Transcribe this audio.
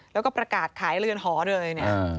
แล้วก็ประกาศขายเรือนหอด้วย